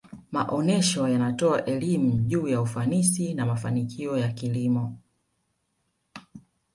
maonesha yanatoa elimu juu ya ufanisi na mafanikio ya kilimo